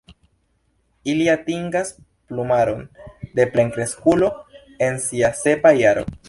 Ili atingas plumaron de plenkreskulo en sia sepa jaro.